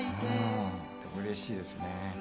でもうれしいですね。